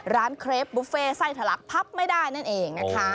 เครปบุฟเฟ่ไส้ทะลักพับไม่ได้นั่นเองนะคะ